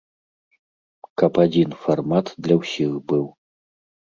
Каб адзін фармат для ўсіх быў.